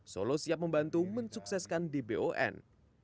solo siap membantu mensukseskan dbon